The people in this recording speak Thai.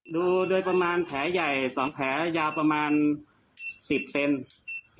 ดูด้วยประมาณแผลใหญ่๒แผลยาวประมาณ๑๐เซนติเซนติ